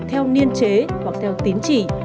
theo niên chế hoặc theo tín chỉ